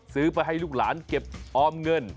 ซื้อไปให้ลูกหลานเก็บออมเงิน